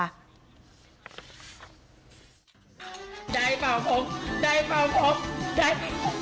ได้เปล่าผมเด้น